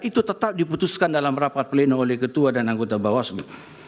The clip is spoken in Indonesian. itu tetap diputuskan dalam rapat pleno oleh ketua dan anggota bawaslu